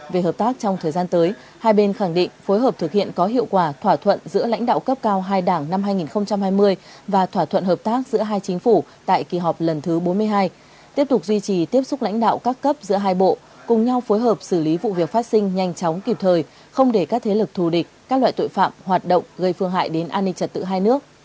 về hợp tác trong thời gian tới hai bên khẳng định phối hợp thực hiện có hiệu quả thỏa thuận giữa lãnh đạo cấp cao hai đảng năm hai nghìn hai mươi và thỏa thuận hợp tác giữa hai chính phủ tại kỳ họp lần thứ bốn mươi hai tiếp tục duy trì tiếp xúc lãnh đạo các cấp giữa hai bộ cùng nhau phối hợp xử lý vụ việc phát sinh nhanh chóng kịp thời không để các thế lực thù địch các loại tội phạm hoạt động gây phương hại đến an ninh trật tự hai nước